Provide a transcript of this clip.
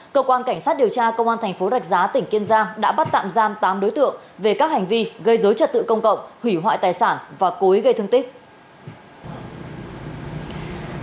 cơ quan cảnh sát điều tra công an thành phố rạch giá tỉnh kiên giang đã bắt tạm giam tám đối tượng về các hành vi gây dối trật tự công cộng hủy hoại tài sản và cố ý gây thương tích